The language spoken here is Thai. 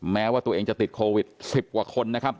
แม้ว่าตัวเองจะติดโควิด๑๐กว่าคนนะครับ